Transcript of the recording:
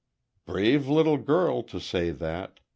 "Brave little girl, to say that.